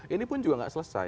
ini pun juga nggak selesai